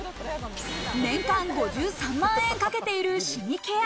年間５３万円かけているシミケア。